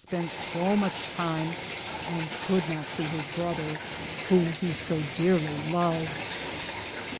spente so muche time, and could not se his brother, whom he so dearly lovede.